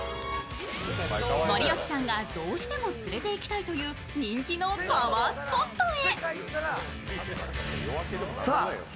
森脇さんがどうしても連れて行きたいという人気のパワースポットへ。